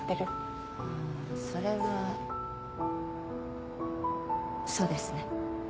ああそれはそうですね。